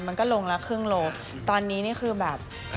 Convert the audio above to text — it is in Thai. มันก็ลงละครึ่งโลตอนนี้นี่คือแบบ